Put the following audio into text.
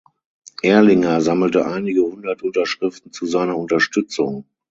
Ehrlinger sammelte einige hundert Unterschriften zu seiner Unterstützung.